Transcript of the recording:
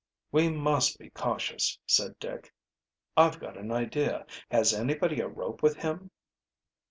"We must be cautious," said Dick. "I've got an idea. Has anybody a rope with him?"